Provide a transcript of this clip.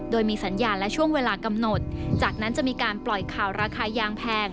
โดยมีสัญญาณและช่วงเวลากำหนดจากนั้นจะมีการปล่อยข่าวราคายางแพง